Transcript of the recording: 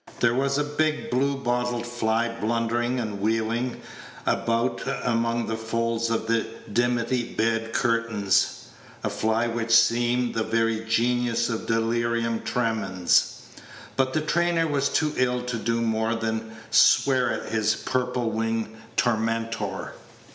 There was a big blue bottle fly blundering and wheeling about among the folds of the dimity bed curtains a fly which seemed the very genius of delirium tremens; but the trainer was too ill to do more than swear at his purple winged tormentor.